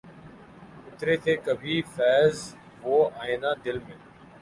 اترے تھے کبھی فیضؔ وہ آئینۂ دل میں